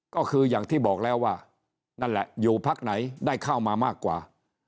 ก็คืออย่างที่บอกแล้วว่านั่นแหละอยู่พักไหนได้เข้ามามากกว่า